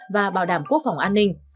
và bảo đảm quốc phòng an ninh